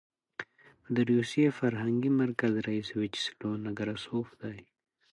د روسي فرهنګي مرکز رییس ویچسلو نکراسوف دی.